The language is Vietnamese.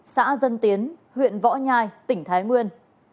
xã dân tiến huyện võ nhai tỉnh thái nguyên